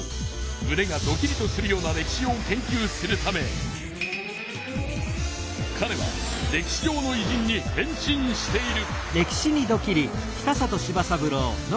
むねがドキリとするような歴史を研究するためかれは歴史上のいじんに変身している。